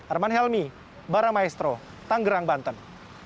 arman helmi baramaestro tanggerang banten